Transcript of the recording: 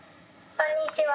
こんにちは。